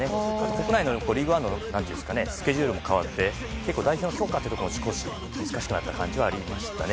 国内の、リーグワンのスケジュールも変わって結構、代表の強化も少し難しくなった感じはありましたね。